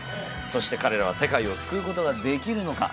そして彼らは世界を救うことができるのか？